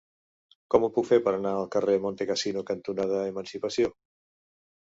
Com ho puc fer per anar al carrer Montecassino cantonada Emancipació?